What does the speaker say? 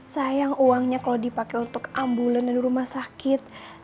sayang uangnya kalau dipakai untuk ambulan dan rumah sakit